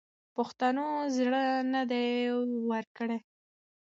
پښتنو زړه نه دی ورکړی.